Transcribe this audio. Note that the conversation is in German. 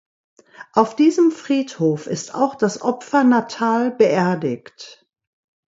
Auf diesem Friedhof ist auch das Opfer Natal beerdigt.